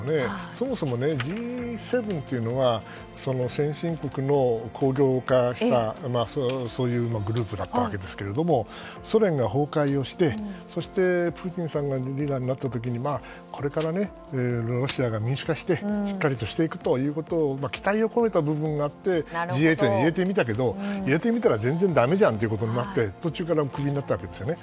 そもそもＧ７というのは先進国のそういうグループだったんですがソ連が崩壊してそしてプーチンさんがリーダーになった時にこれからロシアが民主化してしっかりとしていくことに期待を込めた部分があってＧ８に入れてみたけど入れてみたら全然だめじゃんということで途中でクビになったんですね。